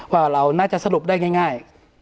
ว่าเราน่าจะสรุปได้ง่าย